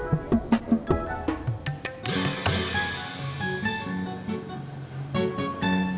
tentang masa balik ke porsche bono isabelle keisha dan evolution torion